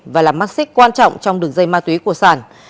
và là mắc xích quan trọng trong đường dây ma túy của sản